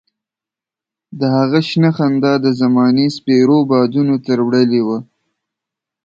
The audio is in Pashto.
د هغه شنه خندا د زمانې سپېرو بادونو تروړلې وه.